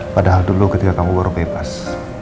padahal dulu ketika kamu baru bebas